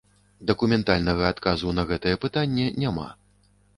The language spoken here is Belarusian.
Дакументальнага адказу на гэтае пытанне няма.